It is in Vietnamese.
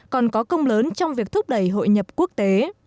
còn có công lớn trong việc thúc đẩy hội nhập quốc tế